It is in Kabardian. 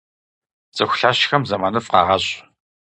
Цӏыху лъэщхэм зэманыфӏ къагъэщӏ.